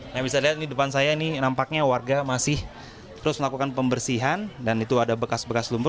nah bisa dilihat di depan saya ini nampaknya warga masih terus melakukan pembersihan dan itu ada bekas bekas lumpur